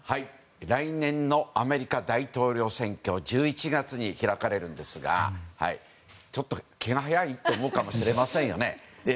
来年のアメリカ大統領選挙１１月に開かれるんですがちょっと気が早いと思うかもしれませんよね。